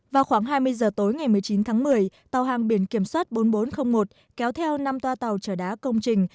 vào khoảng hai mươi giờ tối ngày một mươi chín tháng một mươi tàu hàng biển kiểm soát bốn trăm linh một kéo theo năm toa tàu trở đá công trình